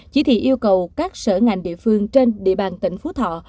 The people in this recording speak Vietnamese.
chỉ thị yêu cầu các sở ngành địa phương trên địa bàn tỉnh phú thọ